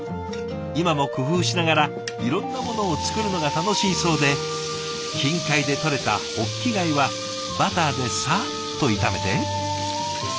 今も工夫しながらいろんなものを作るのが楽しいそうで近海でとれたホッキ貝はバターでさっと炒めて。